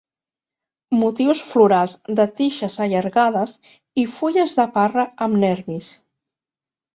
Motius florals de tiges allargades i fulles de parra amb nervis.